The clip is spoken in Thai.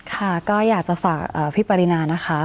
ค่ะก็อยากจะฝากพี่ปรินานะคะ